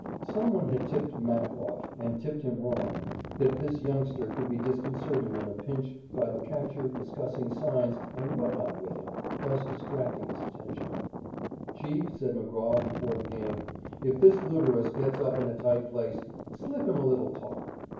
Some one had tipped "Mac" off, and tipped him wrong, that this youngster could be disconcerted in a pinch by the catcher discussing signs and what not with him, thus distracting his attention. "Chief," said McGraw before the game, "if this Luderus gets up in a tight place, slip him a little talk."